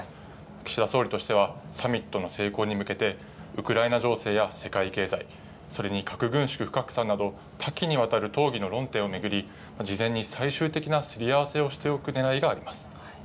岸田総理としては、サミットの成功に向けて、ウクライナ情勢や世界経済、それに核軍縮・不拡散など多岐にわたる討議の論点を巡り、事前に最終的なすり合わせをしておくねらいがあります。